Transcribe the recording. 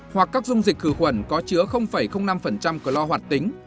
hoặc các dung dịch khử khuẩn có chứa năm cờ lo hoạt tính